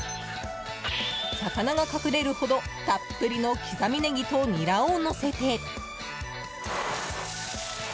魚が隠れるほど、たっぷりの刻みネギとニラをのせて。